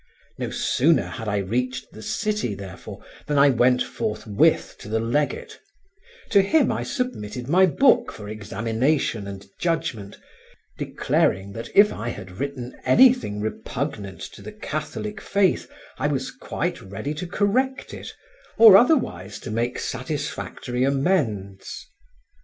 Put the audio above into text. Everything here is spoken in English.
No sooner had I reached the city, therefore, than I went forthwith to the legate; to him I submitted my book for examination and judgment, declaring that if I had written anything repugnant to the Catholic faith, I was quite ready to correct it or otherwise to make satisfactory amends.